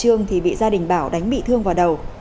trường thì bị gia đình bảo đánh bị thương vào đầu